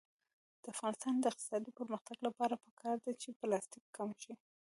د افغانستان د اقتصادي پرمختګ لپاره پکار ده چې پلاستیک کم شي.